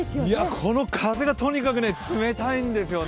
この風がとにかく冷たいんですよね。